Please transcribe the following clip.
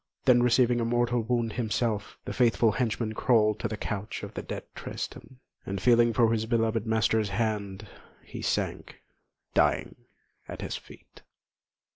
Then receiving a mortal wound himself, the faithful henchman crawled to the couch of the dead Tristan, and feeling for his beloved master's hand, he sank, dying, at his feet.